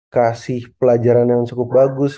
kasih pelajaran yang cukup bagus